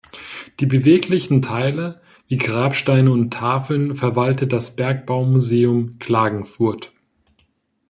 Die beweglichen Teile wie Grabsteine und Tafeln verwaltet das Bergbaumuseum Klagenfurt.